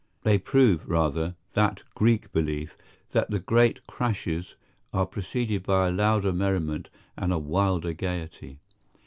They prove, rather, that Greek belief that the great crashes are preceded by a louder merriment and a wilder gaiety.